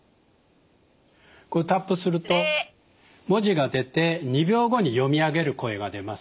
こうタップすると文字が出て２秒後に読み上げる声が出ます。